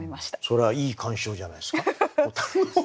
それはいい鑑賞じゃないですか？